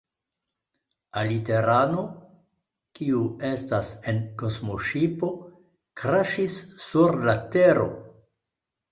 Aliterano, kiu estas en kosmoŝipo, kraŝis sur la Tero